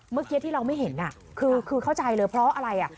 เมื่อกี้ที่เราไม่เห็นคือเข้าใจเลยเพราะอะไรอ่ะ